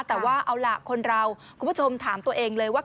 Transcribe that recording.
แต่ว่าเอาล่ะคนเราคุณผู้ชมถามตัวเองเลยว่า